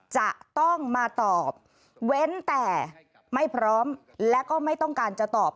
จะต้องมาตอบเว้นแต่ไม่พร้อมและก็ไม่ต้องการจะตอบ